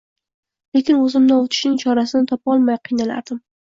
Lekin oʻzimni ovutishning chorasini topolmay qiynalardim…